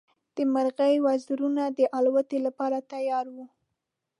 د مرغۍ وزرونه د الوت لپاره تیار وو.